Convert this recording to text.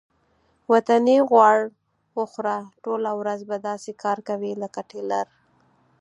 وطني غوړ وخوره ټوله ورځ به داسې کار کوې لکه ټېلر.